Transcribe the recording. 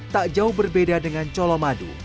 tak jauh berbeda dengan colomadu